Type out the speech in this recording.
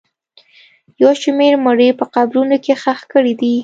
یو شمېر مړي په قبرونو کې ښخ کړي دي